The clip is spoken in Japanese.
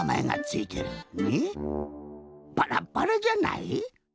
バラバラじゃない？